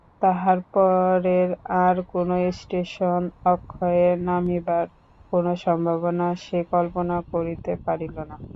তাহার পরের আর-কোনো স্টেশনে অক্ষয়ের নামিবার কোনো সম্ভাবনা সে কল্পনা করিতে পারিল না।